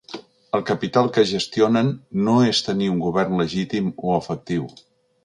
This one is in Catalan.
El capital que gestionen no és tenir un govern legítim o efectiu.